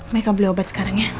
mereka beli obat sekarang ya